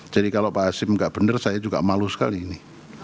jadi kalau pak asim enggak benar saya juga malu sekali